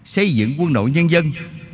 xây dựng quân đội nhân dân